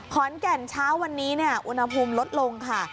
เช้าวันนี้อุณหภูมิลดลงค่ะ